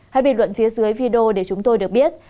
hay bình luận phía dưới video để chúng tôi được biết